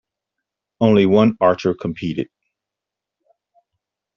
Only one archer competed.